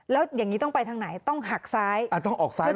แล้วอย่างนี้ต้องไปทางไหนต้องหักซ้ายต้องออกซ้าย